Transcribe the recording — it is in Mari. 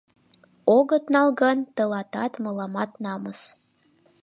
Огыт нал гын — тылатат, мыламат намыс!